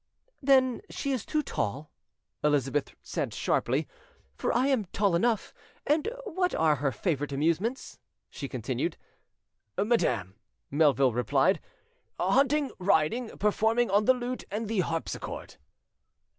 "Then she is too tall," Elizabeth said sharply, "for I am tall enough. And what are her favourite amusements?" she continued. "Madam," Melville replied, "hunting, riding, performing on the lute and the harpischord."